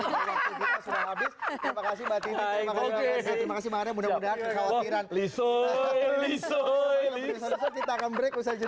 waktu kita sudah habis